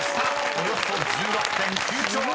およそ１６．９兆円］